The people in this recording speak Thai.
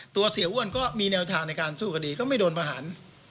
ตัวเสียอ้วนก็มีแนวทางในการสู้กันดีก็ไม่โดนผ่าน